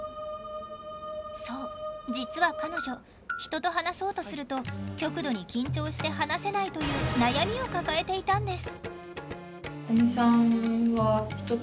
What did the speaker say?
そう実は彼女人と話そうとすると極度に緊張して話せないという悩みを抱えていたんです。